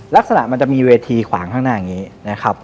ลักษณะมันจะมีเวทีขวางข้างหน้าอย่างนี้นะครับ